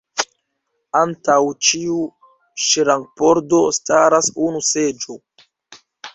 Antaŭ ĉiu ŝrankpordo staras unu seĝo.